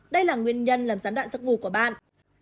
đây là nguyên nhân làm gián đoạn giấc ngủ của bạn